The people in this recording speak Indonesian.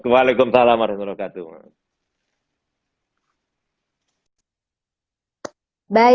waalaikumsalam warahmatullahi wabarakatuh